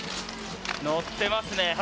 乗ってますね。